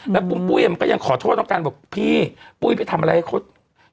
แล้วปุ้มปุ้ยมันก็ยังขอโทษน้องกันบอกพี่ปุ้ยไปทำอะไรให้เขา